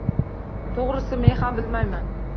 To‘g‘risi, men ham bilmayman.